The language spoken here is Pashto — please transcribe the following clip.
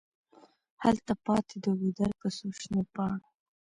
هلته پاتي د ګودر پر څوشنو پاڼو